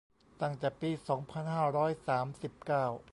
ตั้งแต่ปี สองพันห้าร้อยสามสิบเก้า